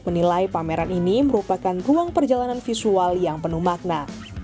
menilai pameran ini merupakan ruang perjalanan visual yang penuh makna